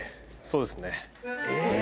そうですね。